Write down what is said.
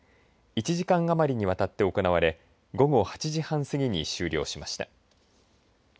１時間余りにわたって行われ午後８時半過ぎ終了しました。